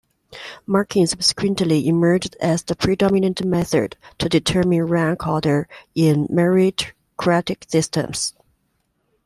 Marking subsequently emerged as the predominant method to determine rank order in meritocratic systems.